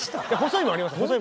細いもありますよ。